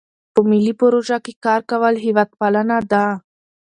په ملي پروژو کې کار کول هیوادپالنه ده.